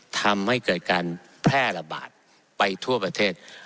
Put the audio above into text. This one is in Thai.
ทำให้เกิดการแพร่ระบาดไปทั่วประเทศ